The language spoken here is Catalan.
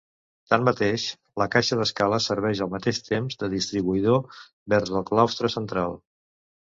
Tanmateix, la caixa d'escala serveix, al mateix temps, de distribuïdor vers el claustre central.